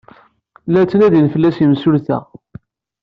La ttnadin fell-as yemsulta.